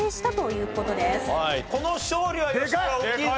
この勝利は吉村大きいぞ。